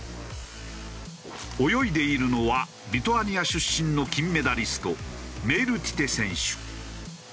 泳いでいるのはリトアニア出身の金メダリストメイルティテ選手。